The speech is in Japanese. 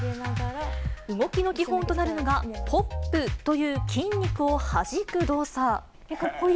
動きの基本となるのが、ポップという筋肉をはじく動作。